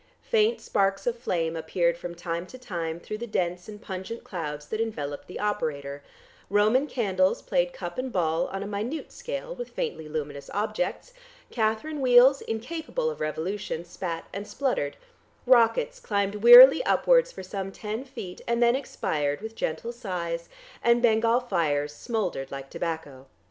Faint sparks of flame appeared from time to time through the dense and pungent clouds that enveloped the operator: Roman candles played cup and ball on a minute scale with faintly luminous objects; Catherine wheels incapable of revolution spat and spluttered; rockets climbed wearily upwards for some ten feet and then expired with gentle sighs, and Bengal fires smouldered like tobacco.